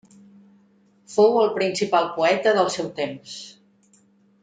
Fou el principal poeta del seu temps.